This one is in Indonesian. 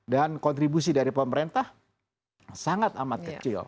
dan kontribusi dari pemerintah sangat amat kecil